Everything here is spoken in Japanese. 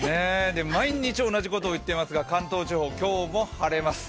毎日同じこと言ってますが関東地方、今日も晴れます。